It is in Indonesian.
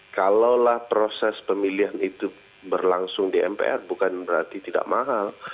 kalaulah proses pemilihan itu berlangsung di mpr bukan berarti tidak mahal